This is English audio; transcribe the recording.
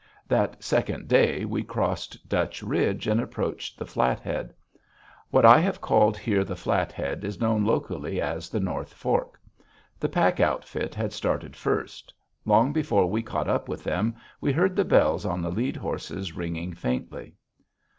That second day, we crossed Dutch Ridge and approached the Flathead. What I have called here the Flathead is known locally as the North Fork. The pack outfit had started first. Long before we caught up with them, we heard the bells on the lead horses ringing faintly.